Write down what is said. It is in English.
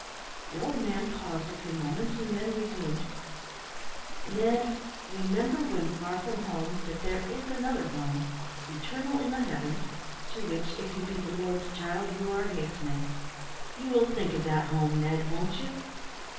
The old man paused a few moments, and then resumed "Ned, remember when far from home, that there is another home eternal in the heavens to which, if you be the Lord's child, you are hastening. You will think of that home, Ned, won't you!